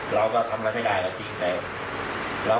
เราก็ทำอะไรไม่ได้ก็จริงแปลว่า